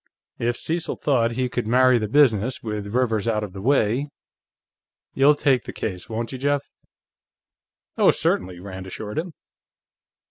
If Cecil thought he could marry the business, with Rivers out of the way.... You'll take the case, won't you, Jeff?" "Oh, certainly," Rand assured him.